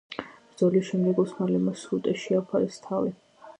ბრძოლის შემდეგ ოსმალებმა სრუტეს შეაფარეს თავი.